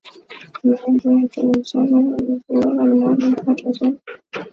uelewaji wetu wa uhusiano huu unavyoboreka ni muhimu hata zaidi